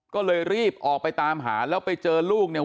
ก็เลยรีบออกไปตามหาแล้วไปเจอลูกเนี่ย